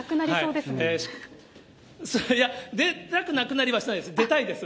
いや、出たくなくなりはしないです、出たいです。